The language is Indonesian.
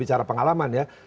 bicara pengalaman ya